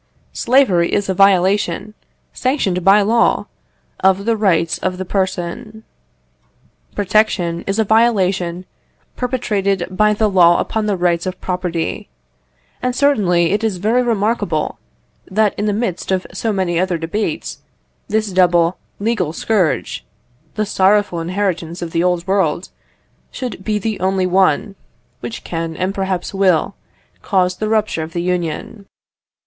Slavery is a violation, sanctioned by law, of the rights of the person. Protection is a violation perpetrated by the law upon the rights of property; and certainly it is very remarkable that, in the midst of so many other debates, this double legal scourge, the sorrowful inheritance of the Old World, should be the only one which can, and perhaps will, cause the rupture of the Union.